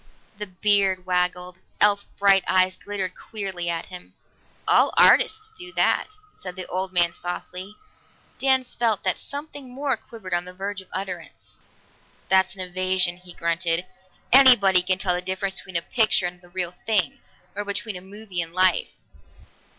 The beard waggled; elf bright eyes glittered queerly at him. "All artists do that," said the old man softly. Dan felt that something more quivered on the verge of utterance. "That's an evasion," he grunted. "Anybody can tell the difference between a picture and the real thing, or between a movie and life."